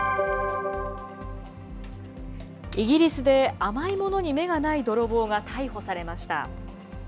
イギリスで、甘いものに目がない泥棒が逮捕されました。